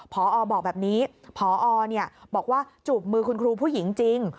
พอบอกแบบนี้พอบอกว่าจูบมือคุณครูผู้หญิงจริง